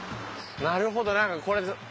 なるほどなんかこれ。